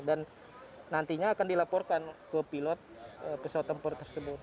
dan nantinya akan dilaporkan ke pilot pesawat tempur tersebut